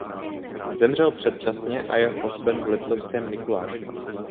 Zemřel předčasně a je pohřben v Liptovském Mikuláši.